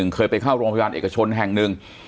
เคยไปเข้าโรงพยาบาลเอกชนแห่งหนึ่ง